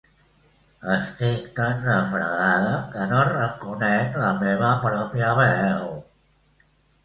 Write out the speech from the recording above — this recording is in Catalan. Estic tan refredada que no reconec la meva pròpia veu